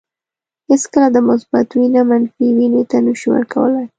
هیڅکله د مثبت وینه منفي وینې ته نشو ورکولای.